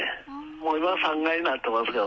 もう今は３階になってますよ。